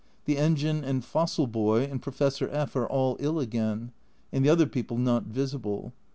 The engine and fossil boy and Professor F are all ill again, and the other people not visible.